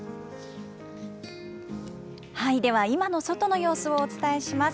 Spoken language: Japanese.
では、今の外の様子をお伝えします。